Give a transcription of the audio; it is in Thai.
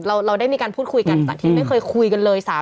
เราได้มีการพูดคุยกันจากที่ไม่เคยคุยกันเลย